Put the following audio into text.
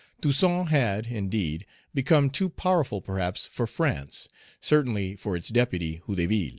Toussaint had, indeed, become too powerful perhaps for France, certainly for its deputy, Hédouville.